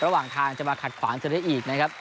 ระหว่างทางจะมาขัดขวางเธอได้อีกนะครับ